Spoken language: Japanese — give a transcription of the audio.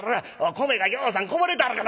米がぎょうさんこぼれたるがな。